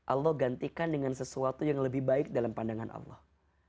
allah gantikan dengan sesuatu yang lebih baik dalam pandangan allah